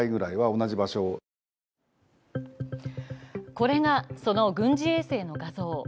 これがその軍事衛星の画像。